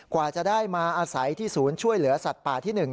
กว่าจะได้มาอาศัยที่ศูนย์ช่วยเหลือสัตว์ป่าที่๑